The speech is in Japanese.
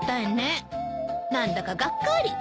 何だかがっかり。